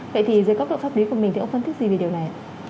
vậy thì dưới góc độ pháp lý của mình thì ông phân tích gì về điều này